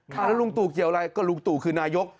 แล้วลุงตู่เกี่ยวอะไรก็ลุงตู่คือนายก